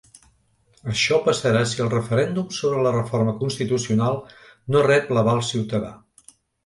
Això passarà si el referèndum sobre la reforma constitucional no rep l’aval ciutadà.